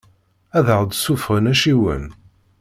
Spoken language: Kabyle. Ad aɣ-d-ssuffɣen acciwen.